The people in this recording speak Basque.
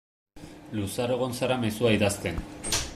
Luzaro egon zara mezua idazten.